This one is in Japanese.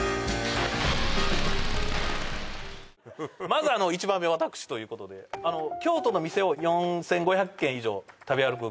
まず１番目私ということで京都の店を４５００軒以上食べ歩く